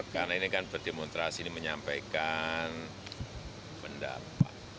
karena ini kan berdemonstrasi ini menyampaikan pendapat